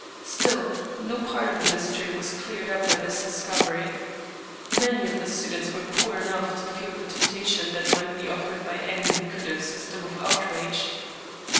Still, no part of the mystery was cleared up by this discovery. Many of the stu dents were poor enough to feel the temptation that might be offered by any lucrative system of outrage.